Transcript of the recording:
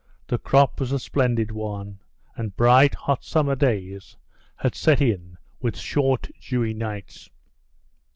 The crop was a splendid one, and bright, hot summer days had set in with short, dewy nights.